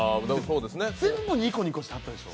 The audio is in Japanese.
全部ニコニコしてはったでしょ？